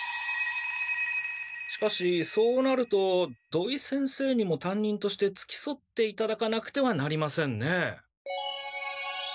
しかしそうなると土井先生にも担任としてつきそっていただかなくてはなりませんね。